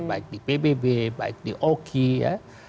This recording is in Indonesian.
baik di pbb baik di oki ya